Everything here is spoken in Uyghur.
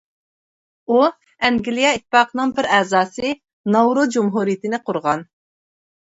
ئۇ ئەنگلىيە ئىتتىپاقىنىڭ بىر ئەزاسى، ناۋرۇ جۇمھۇرىيىتىنى قۇرغان.